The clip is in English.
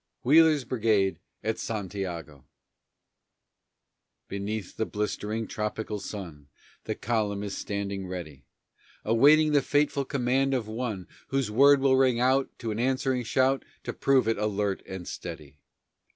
WHEELER'S BRIGADE AT SANTIAGO Beneath the blistering tropical sun The column is standing ready, Awaiting the fateful command of one Whose word will ring out To an answering shout To prove it alert and steady.